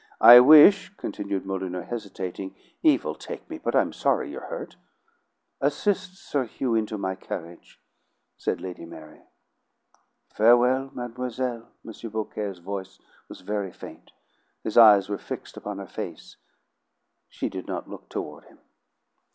"I wish " continued Molyneux, hesitating. "Evil take me! but I'm sorry you're hurt." "Assist Sir Hugh into my carriage," said Lady Mary. "Farewell, mademoiselle!" M. Beaucaire's voice was very faint. His eyes were fixed upon her face. She did not look toward him.